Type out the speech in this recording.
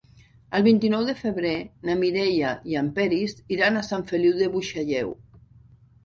El vint-i-nou de febrer na Mireia i en Peris iran a Sant Feliu de Buixalleu.